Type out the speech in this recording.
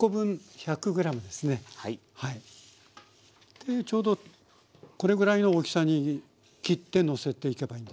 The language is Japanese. でちょうどこれぐらいの大きさに切ってのせていけばいいんですね？